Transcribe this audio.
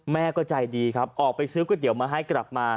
แม่ก็ใจดีครับออกไปซื้อก๋วยเตี๋ยวมาให้กลับมา